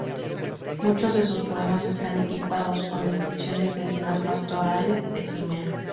Muchos de sus poemas están equipadas con descripciones de escenas pastorales de Crimea.